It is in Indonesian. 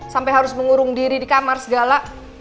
sampai harus mengurung diri di kamar segala